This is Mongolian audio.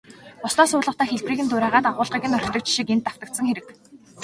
Бусдаас хуулахдаа хэлбэрийг нь дуурайгаад, агуулгыг нь орхидог жишиг энд давтагдсан хэрэг.